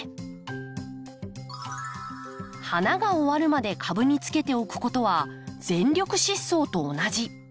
花が終わるまで株につけておくことは全力疾走と同じ。